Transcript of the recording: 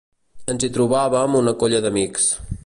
Ens hi trobàvem una colla d'amics.